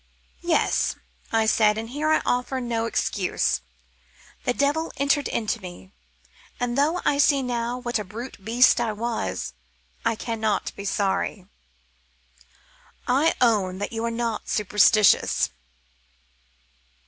"Yes," I said, and here I offer no excuse. The devil entered into me, and though I see now what a brute beast I was, I cannot be sorry. "I own that you are not superstitious.